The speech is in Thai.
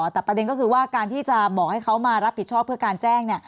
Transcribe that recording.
แต่ประเด็นก็คือว่าการที่จะบอกให้เขามารับผิดชอบเพื่อการแจ้ง